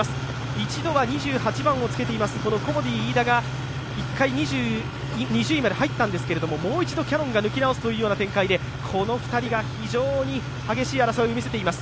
一度は２８番をつけていますコモディイイダが１回２０位まで入ったんですけど、もう一度キヤノンが抜き直すという展開で、この２人が非常に激しい争いをみせています。